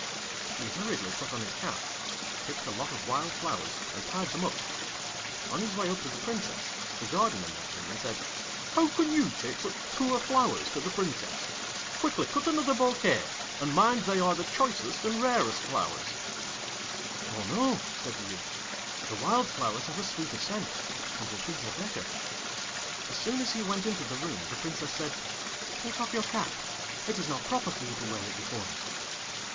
He hurriedly put on his cap, picked a lot of wild flowers, and tied them up. On his way up to the Princess, the Gardener met him, and said, 'How can you take such poor flowers to the Princess? Quickly cut another bouquet, and mind they are the choicest and rarest flowers.' 'Oh no,' said the youth. 'The wild flowers have a sweeter scent, and will please her better.' [Illustration: She immediately clutched at his cap to pull it off; but he held it on with both hands.] As soon as he went into the room the Princess said, 'Take off your cap; it is not proper for you to wear it before me.'